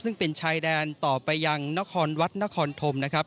ซึ่งเป็นชายแดนต่อไปยังนครวัดนครธมนะครับ